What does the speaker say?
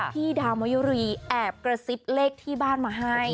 พี่ดาวมะยุรีแอบกระซิบเลขที่บ้านมาให้